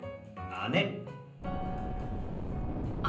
姉。